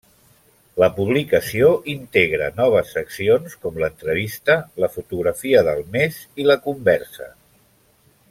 La publicació integra noves seccions com l'entrevista, la fotografia del mes i la conversa.